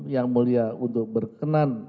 yang mulia untuk berkenan